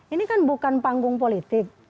ini kan bukan panggung politik